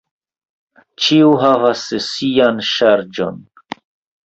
Ĉiu havas sian ŝarĝon.